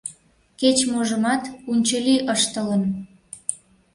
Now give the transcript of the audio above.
Кеч-можымат унчыли ыштылын.